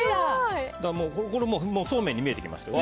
もうそうめんに見えてきましたよね。